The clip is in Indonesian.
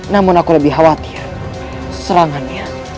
namun aku lebih khawatir serangannya